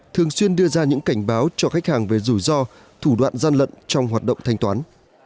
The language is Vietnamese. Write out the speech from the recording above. thường xuyên đưa ra những cảnh báo cho khách hàng về rủi ro thủ đoạn gian lận trong hoạt động thanh toán